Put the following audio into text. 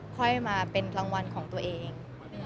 ค่อยมาเป็นรางวัลของตัวเอง